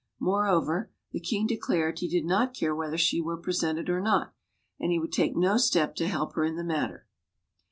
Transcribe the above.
Moreover, the king declared he did not care whether she were presented or not, and he would take no step to help her in the matter.